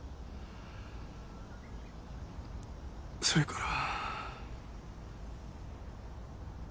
それから。